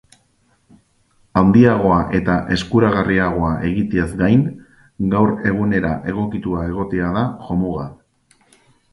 Handiagoa eta eskuragarriagoa egiteaz gain, gaur egunera egokitua egotea da jomuga.